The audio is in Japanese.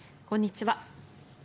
こんにちは。